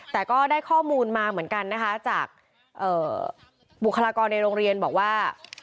แต่ก็ได้ข้อมูลมาเหมือนกันนะคะจากบุคลากรในโรงเรียนบอกว่า